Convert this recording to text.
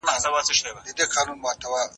د ضرورت په وخت کي ایثار وکړئ.